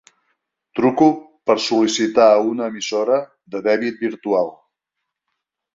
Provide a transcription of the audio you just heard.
Truco per sol·licitar una emissora de dèbit virtual.